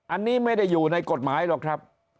อันนี้ไม่ได้อยู่ในกฎหมายหรอกครับ